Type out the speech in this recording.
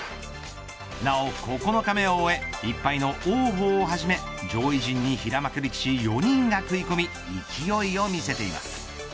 なお９日目を終え１敗の王鵬をはじめ上位陣に平幕力士４人が食い込み勢いを見せています。